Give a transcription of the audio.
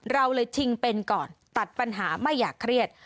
เราเลยชิงเป็นก่อนตัดปัญหาไม่อยากเครียด